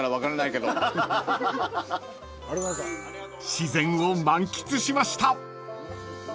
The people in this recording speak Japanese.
［自然を満喫しました］